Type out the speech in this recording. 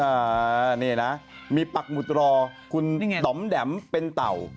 อ่านี่นะมีปักหมุดรอคุณต่อมแดมเป็นเต่า